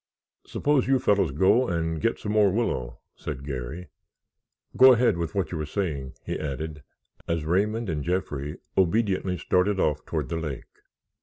"Suppose you fellows go and get some more willow," said Garry. "Go ahead with what you were saying," he added, as Raymond and Jeffrey obediently started off toward the lake.